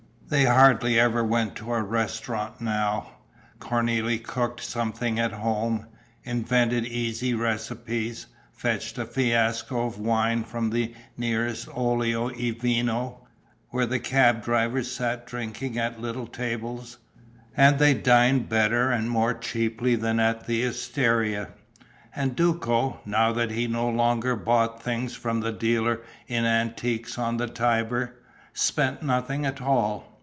They hardly ever went to a restaurant now. Cornélie cooked something at home, invented easy recipes, fetched a fiasco of wine from the nearest olio e vino, where the cab drivers sat drinking at little tables; and they dined better and more cheaply than at the osteria. And Duco, now that he no longer bought things from the dealer in antiques on the Tiber, spent nothing at all.